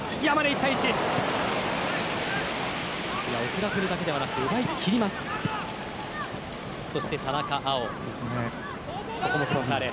遅らせるだけではなくて奪いきる山根。